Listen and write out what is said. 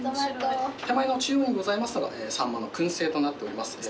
手前の中央にございますのがサンマの燻製となっております。